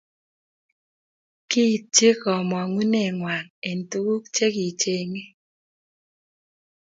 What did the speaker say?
kiityi kamong'uneng'wany eng tukuk chekichenyei